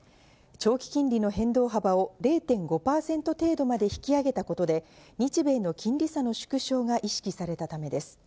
長期金利の変動幅を０．５％程度まで引き上げたことで、日米の金利差の縮小が意識されたためです。